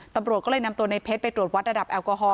ตำรวจก็เลยนำตัวในเพชรไปตรวจวัดระดับแอลกอฮอล